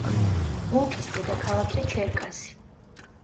ოლქის დედაქალაქია ჩერკასი.